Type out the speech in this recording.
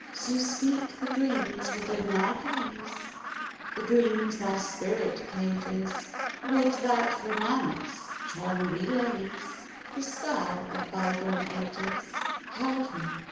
So speak the dreams within thy gaze, The dreams thy spirit cages, Would that Romance which on thee lays The spell of bygone ages Held me!